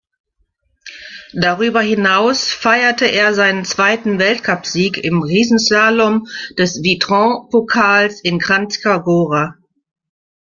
Darüber hinaus feierte er seinen zweiten Weltcupsieg im Riesenslalom des Vitranc-Pokals in Kranjska Gora.